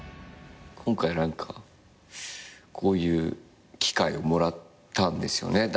今回何かこういう機会をもらったんですよね。